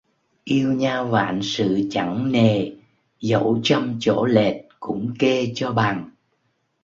Yêu nhau vạn sự chẳng nề, dẫu trăm chỗ lệch cũng kê cho bằng